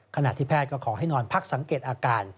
ขณะที่แพทย์ก็ขอให้นอนพักสังเกตอาการ